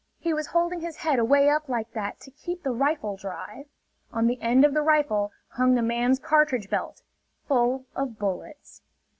He was holding his head away up like that to keep the rifle dry. On the end of the rifle hung the man's cartridge belt, full of bullets.